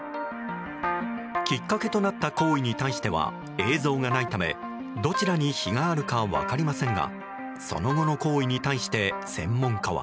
きっかけとなった行為に対しては映像がないためどちらに非があるか分かりませんがその後の行為に対して専門家は。